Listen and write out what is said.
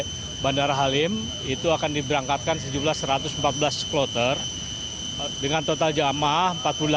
tentunya di bandara halim itu akan diberangkatkan satu jumlah satu ratus empat belas kloter dengan total jamah empat puluh delapan satu ratus delapan puluh enam